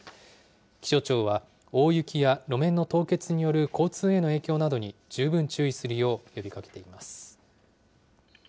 気象庁は、大雪や路面の凍結による交通への影響などに十分注意するよう呼びかけています。